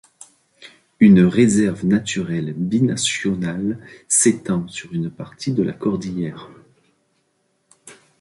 Une réserve naturelle binationale s'étend sur une partie de la cordillère.